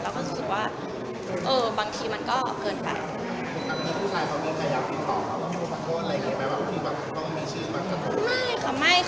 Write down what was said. เราก็จะรู้สึกว่าเออบางทีมันก็เกินไป